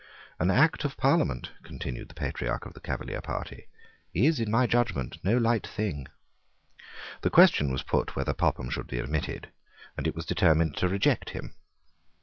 "An Act of Parliament," continued the patriarch of the Cavalier party, "is, in my judgment, no light thing." The question was put whether Popham should be admitted, and it was determined to reject him.